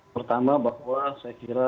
pertama bahwa saya kira